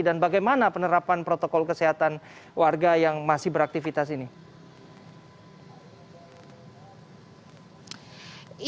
dan bagaimana penerapan protokol kesehatan warga yang masih beraktivitas ini